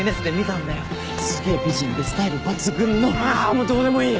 もうどうでもいい！